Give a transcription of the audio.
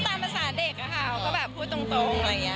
ก็ตามภาษาเด็กครับค่ะก็แบบพูดตรงอะไรอย่างเงี้ย